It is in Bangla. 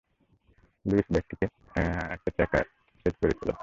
লুইস ব্যাগটিতে একটি ট্র্যাকার সেট করেছিল।